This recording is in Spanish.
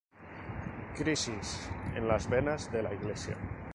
Crisis en las venas de la Iglesia.